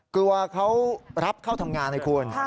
กลัวเขารับเข้าทำงานให้คุณ